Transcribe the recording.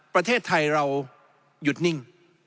ประเทศไทยเราหยุดนิ่ง